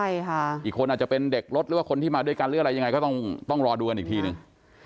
ใช่ค่ะอีกคนอาจจะเป็นเด็กรถหรือว่าคนที่มาด้วยกันหรืออะไรยังไงก็ต้องต้องรอดูกันอีกทีหนึ่ง